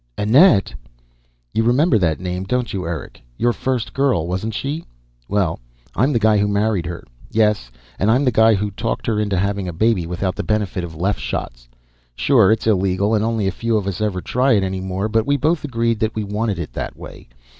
"Annette?" "You remember that name, don't you, Eric? Your first girl, wasn't she? Well, I'm the guy who married her. Yes, and I'm the guy who talked her into having a baby without the benefit of Leff shots. Sure, it's illegal, and only a few of us ever try it any more, but we both agreed that we wanted it that way.